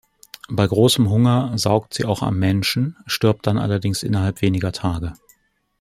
Bei großem Hunger saugt sie auch am Menschen, stirbt dann allerdings innerhalb weniger Tage.